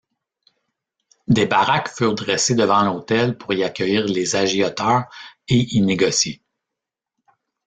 Des baraques furent dressées devant l'hôtel pour y accueillir les agioteurs et y négocier.